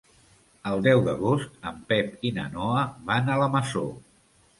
El deu d'agost en Pep i na Noa van a la Masó.